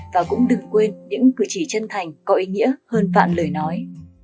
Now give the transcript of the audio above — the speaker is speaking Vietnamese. và cũng đừng quên những cử chỉ chân thành có ý nghĩa hơn vạn lời nói